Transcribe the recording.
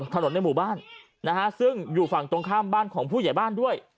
ในหมู่บ้านนะฮะซึ่งอยู่ฝั่งตรงข้ามบ้านของผู้ใหญ่บ้านด้วย